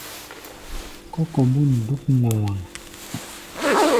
Kɔ́ kombôn dúk ŋɔwaŋ.